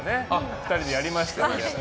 ２人でやりましたね。